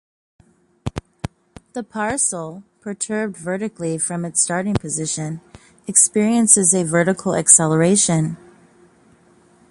The parcel, perturbed vertically from its starting position, experiences a vertical acceleration.